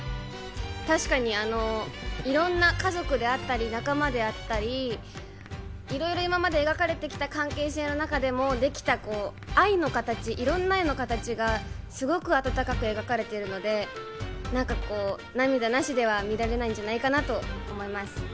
確かにいろんな家族であったり、仲間であったり、いろいろ今まで描かれてきた関係性の中でも愛の形、いろんな愛の形がすごくあたたかく描かれているので、涙なしでは見られないんじゃないかなと思います。